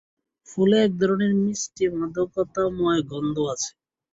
ফুলে একধরনের মিষ্টি মাদকতাময় গন্ধ আছে।